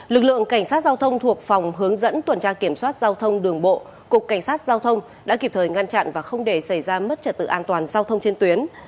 lực lượng cảnh sát giao thông thuộc phòng hướng dẫn tuần tra kiểm soát giao thông đường bộ cục cảnh sát giao thông đã kịp thời ngăn chặn và không để xảy ra mất trật tự an toàn giao thông trên tuyến